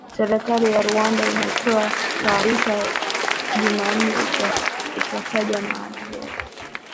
Serikali ya Rwanda imetoa taarifa jumanne ikitaja madai hayo